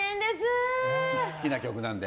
好きな曲なので。